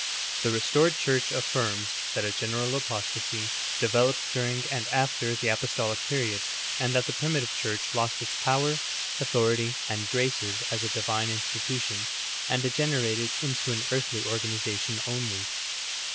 The restored Church affirms that a general apostasy de veloped during and after the apostolic period, and that the primitive Church lost its pov/er, authority, and graces as a divine institution, and degenerated into an earthly organiza tion only.